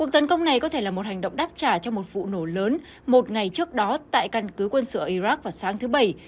cuộc tấn công này có thể là một hành động đáp trả cho một vụ nổ lớn một ngày trước đó tại căn cứ quân sự iraq vào sáng thứ bảy